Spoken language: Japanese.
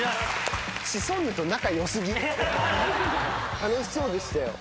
楽しそうでしたよ。